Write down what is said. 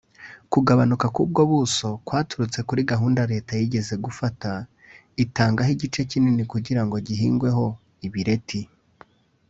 Kugabanuka k’ubwo buso kwaturutse kuri gahunda Leta yigeze gufata itangaho igice kinini kugira ngo gihingweho ibireti